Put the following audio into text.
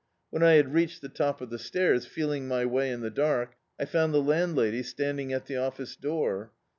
When I had reached the top of the stairs, feeling my way in the dark, I found the landlady standing at the office door.